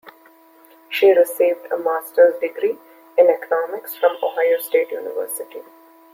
She received a master's degree in economics from Ohio State University.